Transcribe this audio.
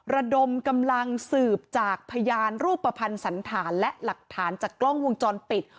ระดมกำลังสืบจากพยานรูปภัณฑ์สันฐานและหลักฐานจากกล้องวงจรปิด